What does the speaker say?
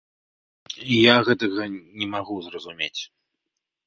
Я гэтага не магу зразумець.